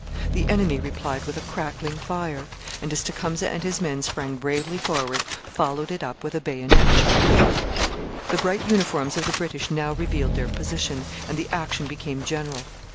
The enemy replied with a crackling fire and, as Tecumseh and his men sprang bravely forward, followed it up with a bayonet charge. The bright uniforms of the British now revealed their position, and the action became general.